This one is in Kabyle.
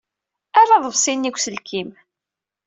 Err aḍebsi-nni deg uselkim.